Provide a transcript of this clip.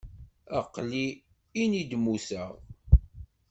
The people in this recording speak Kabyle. Aql-i ini-d mmuteɣ.